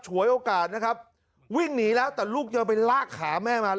ฉวยโอกาสนะครับวิ่งหนีแล้วแต่ลูกยังไปลากขาแม่มา